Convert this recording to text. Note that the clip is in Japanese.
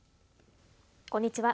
こんにちは。